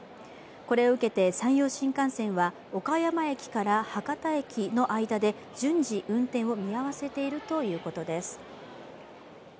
これを受けて山陽新幹線は、岡山−博多駅間で順次運転を見合わせているということです。